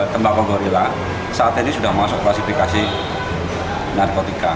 tembakau gorilla saat ini sudah masuk klasifikasi narkotika